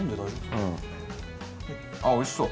うん。あっおいしそう。